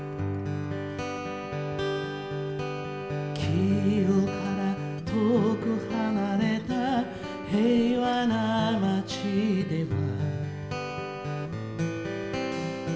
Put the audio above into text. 「キーウから遠く離れた平和な町では」